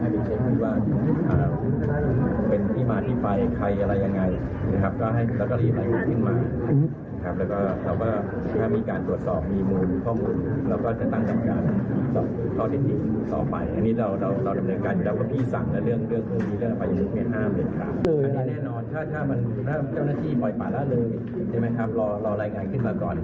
ถ้าเจ้าหน้าที่ปล่อยป่าละเลยรอรายงานขึ้นมาก่อน